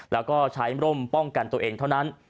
แล้วก็ใช้ร่มป้องกันตัวเองเท่านั้น